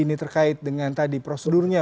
ini terkait dengan tadi prosedurnya